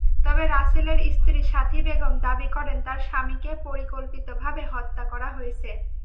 তবে রাসেলের স্ত্রী সাথী বেগম দাবি করেন, তাঁর স্বামীকে পরিকল্পিতভাবে হত্যা করা হয়েছে।